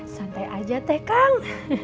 santai aja teh kang